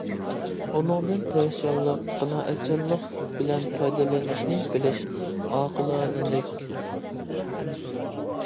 ئۇنىڭدىن تىرىشچانلىق، قانائەتچانلىق بىلەن پايدىلىنىشنى بىلىش ئاقىلانىلىك.